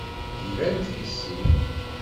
Glant yes-i.